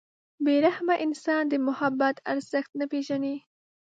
• بې رحمه انسان د محبت ارزښت نه پېژني.